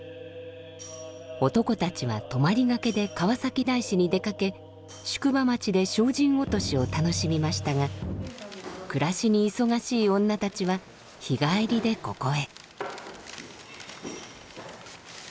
男たちは泊まりがけで川崎大師に出かけ宿場町で精進落としを楽しみましたが暮らしに忙しい女たちは日帰りでここへ。